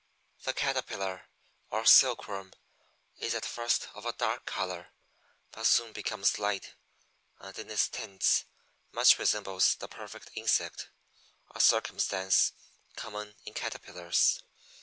The Caterpillar, or Silkworm, is at first of a dark color, but soon becomes light, and in its tints much resembles the perfect insect a circumstance common in Caterpillars.